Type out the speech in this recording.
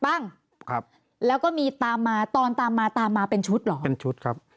บ้างครับแล้วก็มีตามมาตอนตามมาตามมาเป็นชุดเหรอเป็นชุดครับ